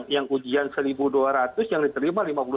yang ujian satu dua ratus yang diterima lima puluh enam